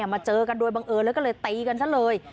มาเจอกันโดยบังเอิญแล้วก็เลยตีกันซะเลย